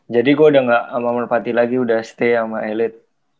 gue udah gak sama merpati lagi udah stay sama elit